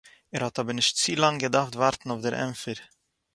ער האט אבער נישט צולאנג געדארפט ווארטן אויף דעם ענטפער